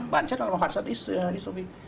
bản chất là hoạt sất isovin